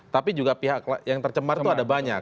tapi juga pihak yang tercemar itu ada banyak